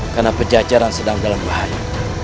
karena penjajaran sedang dalam bahaya